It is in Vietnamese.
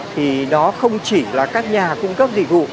thì nó không chỉ là các nhà cung cấp dịch vụ